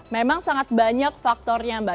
memang sangat banyak faktornya mbak